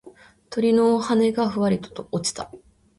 鳥の羽がふわりと落ちた。